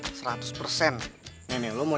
nenek lu mau dikasih puisi sama kata kata romantis